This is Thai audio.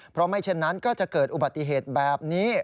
เพราะไม่เช่นนั้นก็จะเกิดอุบัติเหตุแบบนี้